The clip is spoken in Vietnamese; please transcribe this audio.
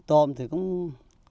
công dân mình cũng đỡ